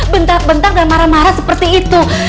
bentar bentang dan marah marah seperti itu